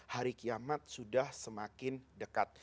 hari kiamat sudah semakin dekat